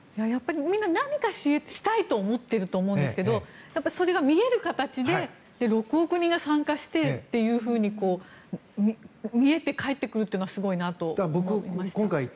やっぱりみんな何かしたいと思ってると思うんですけどそれが見える形で６億人が参加してというふうに見えて返ってくるというのはすごいなと思いました。